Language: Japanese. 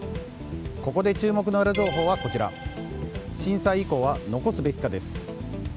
ここで注目ウラ情報は震災遺構は残すべきか？です。